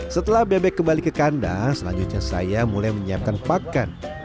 setelah bebek kembali ke kandang selanjutnya saya mulai menyiapkan pakan